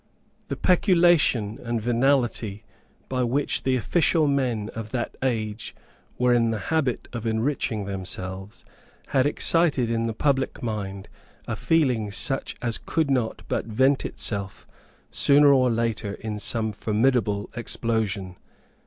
The peculation and venality by which the official men of that age were in the habit of enriching themselves had excited in the public mind a feeling such as could not but vent itself, sooner or later, in some formidable explosion.